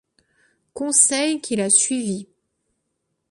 Conseil qu’il a suivi.